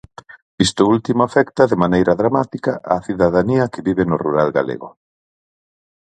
Isto último afecta de maneira dramática á cidadanía que vive no rural galego.